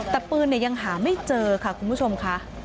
แต่ปืนยังหาไม่เจอค่ะคุณผู้ชมค่ะ